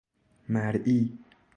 مرئی